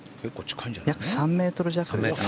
３ｍ弱ですね。